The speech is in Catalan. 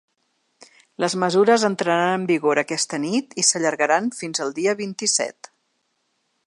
Les mesures entraran en vigor aquesta nit i s’allargaran fins al dia vint-i-set.